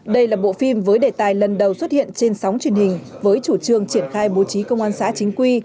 đây là bộ phim với đề tài lần đầu xuất hiện trên sóng truyền hình với chủ trương triển khai bố trí công an xã chính quy